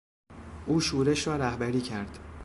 او شورش را رهبری کرد.